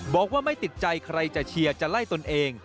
บอกว่าไม่ติดใจใครจะเชียร์จะไล่ตนเอง